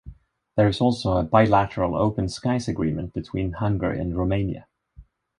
There is also a bilateral Open Skies Agreement between Hungary and Romania.